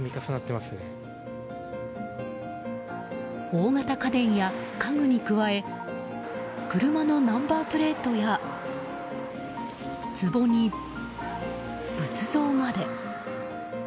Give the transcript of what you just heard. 大型家電や家具に加え車のナンバープレートやつぼに仏像まで。